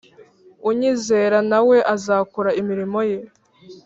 unyizera na we azakora imirimo ye